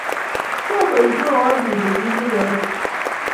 Tomo imwoiwo Ile kimenye ano